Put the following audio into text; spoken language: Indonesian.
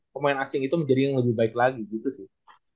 pemain asing itu menjadi yang lebih baik lagi gitu sih